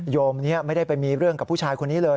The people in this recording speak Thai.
มนี้ไม่ได้ไปมีเรื่องกับผู้ชายคนนี้เลย